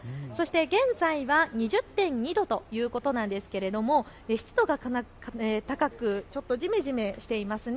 現在は２０．２度ということなんですけれども、湿度が高くちょっとじめじめしています。